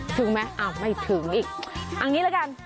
ถึงไหมไม่ถึงอีก